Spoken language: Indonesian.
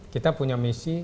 kita punya misi